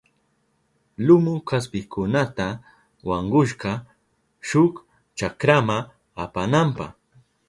Lumu kaspikunata wankushka shuk chakrama apananpa.